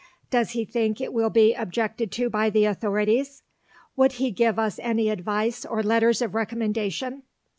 Does he think it will be objected to by the authorities? Would he give us any advice or letters of recommendation?